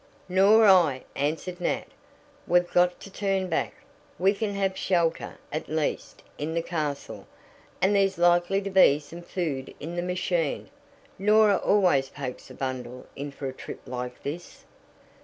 "Nor I," answered Nat "We've got to turn back. We can have shelter, at least, in the castle, and there's likely to be some food in the machine. Norah always pokes a bundle in for a trip like this."